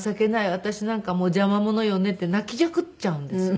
私なんかもう邪魔者よね」って泣きじゃくっちゃうんです。